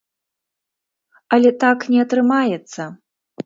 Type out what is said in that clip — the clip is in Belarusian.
Але так не атрымаецца.